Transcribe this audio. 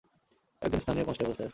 একজন স্থানীয় constable, sir.